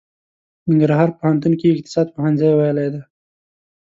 ننګرهار پوهنتون کې يې اقتصاد پوهنځی ويلی دی.